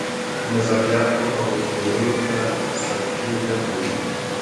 نظریاتو او تیوریو ته سطحي نه ګوري.